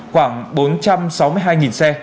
khoảng bốn trăm sáu mươi hai xe